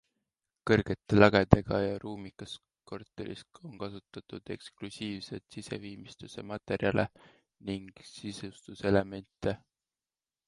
Kõrgete lagedega ja ruumikas korteris on kasutatud eksklusiivseid siseviimistluse materjale ning sisustuselemente.